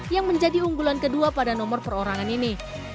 yang menjadi unggulan kedua pada nomor perorangan ini